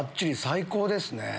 最高ですね。